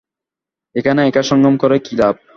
এখানে একা সংগ্রাম করে কী লাভ?